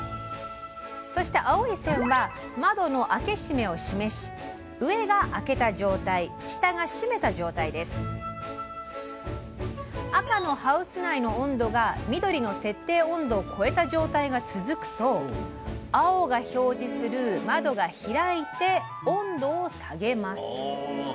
そして青い線は窓の開け閉めを示し上が開けた状態下が閉めた状態です赤のハウス内の温度が緑の設定温度をこえた状態が続くと青が表示する窓が開いて温度を下げます。